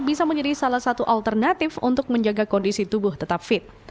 bisa menjadi salah satu alternatif untuk menjaga kondisi tubuh tetap fit